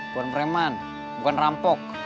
buat preman bukan rampok